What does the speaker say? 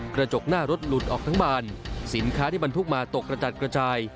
กระจกหน้ารถหลุดออกทั้งบานสินค้าที่บรรทุกมาตกกระจัดกระจาย